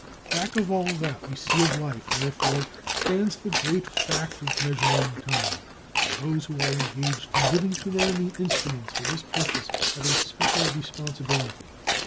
Back of all that we see of life, therefore, stands the great fact of measuring time, and those who are engaged in giving to man the instruments for this purpose have a special responsibility.